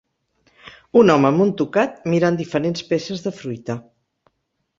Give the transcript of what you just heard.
Un home amb un tocat mirant diferents peces de fruita.